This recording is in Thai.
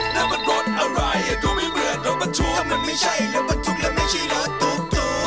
นั่นมันรถอะไรดูไม่เหมือนรถประทุกแต่มันไม่ใช่รถประทุกและไม่ใช่รถตุ๊กตุ๊ก